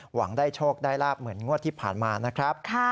หวังได้โชคได้ลาบเหมือนงวดที่ผ่านมานะครับ